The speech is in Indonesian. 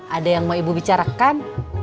ada yang mau ibu bicarakan